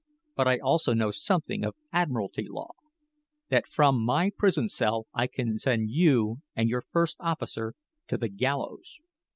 But I also know something of admiralty law; that from my prison cell I can send you and your first officer to the gallows."